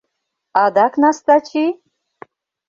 Адак Настачи?